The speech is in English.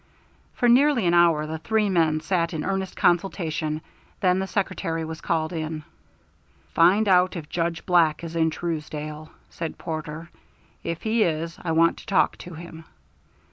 For nearly an hour the three men sat in earnest consultation; then the secretary was called in. "Find out if Judge Black is in Truesdale," said Porter. "If he is, I want to talk to him."